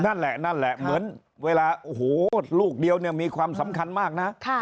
นั่นแหละเหมือนหลูกเดียวมีความสำคัญมาก